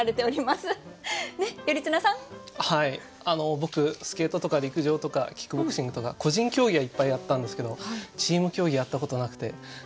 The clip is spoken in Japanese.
あの僕スケートとか陸上とかキックボクシングとか個人競技はいっぱいやったんですけどチーム競技やったことなくて。